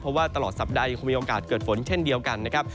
เพราะว่าตลอดสัปดาห์ยังคงมีโอกาสเกิดฝนเช่นเดียวกันนะครับ